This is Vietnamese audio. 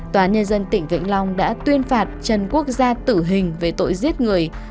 tòa nhân dân tỉnh vĩnh long đã tuyên phạt trần quốc gia tử hình về tội giết người